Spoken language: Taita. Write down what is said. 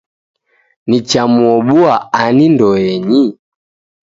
Nichamuoboa ani ndoenyi?